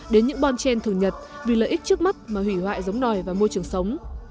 đến những bon trên thường nhật vì lợi ích trước mắt mà hủy hoại giống nòi và môi trường sống